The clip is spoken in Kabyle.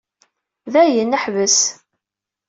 Dayen, ḥbes.